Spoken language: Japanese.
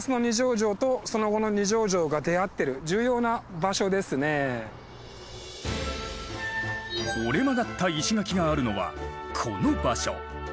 ご覧頂くと折れ曲がった石垣があるのはこの場所。